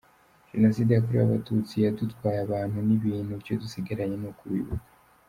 Jenoside yakorewe Abatutsi yadutwaye abantu n’ibintu icyo dusigaranye ni ukubibuka.